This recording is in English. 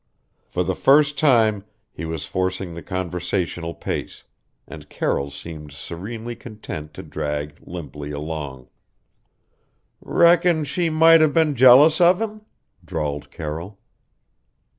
For the first time he was forcing the conversational pace, and Carroll seemed serenely content to drag limply along. "Reckon she might have been jealous of him?" drawled Carroll.